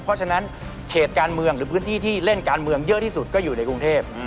เพราะฉะนั้นเขตการเมืองหรือพื้นที่ที่เล่นการเมืองเยอะที่สุดก็อยู่ในกรุงเทพ